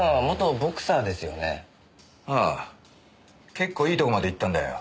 結構いいとこまでいったんだよ。